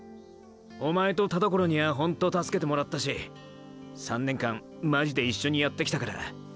おまえと田所にはホント助けてもらったし３年間マジで一緒にやってきたから。